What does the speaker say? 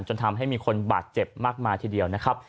จนทำให้มีคนบาดเจ็บมากมายทีเดียวนะครับ